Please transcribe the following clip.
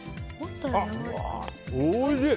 おいしい！